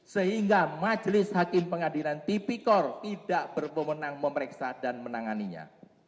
sehingga majelis hakim pengadilan tipikor tidak berpemenang memeriksa dan menanganinya